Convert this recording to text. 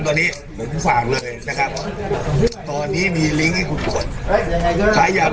คุณจะถูกแฮกครับ